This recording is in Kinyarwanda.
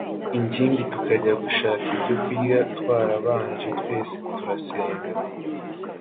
ingimbi tukajya gushaka ibyokurya Twarabanje twese turasenga